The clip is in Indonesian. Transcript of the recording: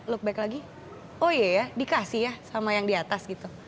look back lagi oh iya ya dikasih ya sama yang di atas gitu